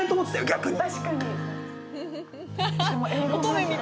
逆に。